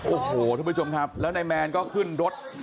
โอ้โหทุกผู้ชมครับแล้วนายแมนก็ขึ้นรถ